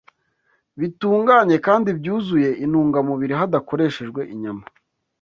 bitunganye kandi byuzuye intungamubiri, hadakoreshejwe inyama